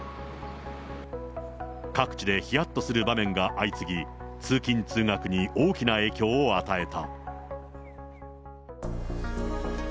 各地でひやっとする場面が相次ぎ、通勤・通学に大きな影響を与えた。